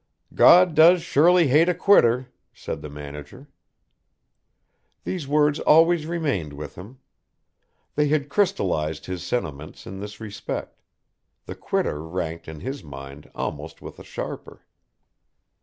"God does surely hate a quitter," said the manager. These words always remained with him. They had crystallised his sentiments in this respect: the quitter ranked in his mind almost with the sharper.